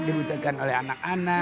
dibutuhkan oleh anak anak